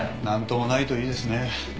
何ともないといいですね。